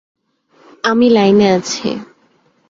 আমি লাইনে আছি।